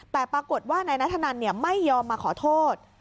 แต่ปรากฏว่านายนัทธนันไม่ยอมมาขอโทษ